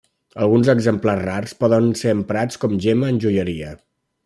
Alguns exemplars rars poden ser emprats com gemma en joieria.